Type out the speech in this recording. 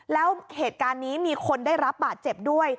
แล้วเหตุการณ์นี้มีคนได้รับบาดเจ็บด้วย